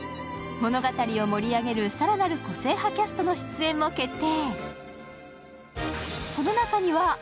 物語を盛り上げる更なる個性派キャストの出演も決定。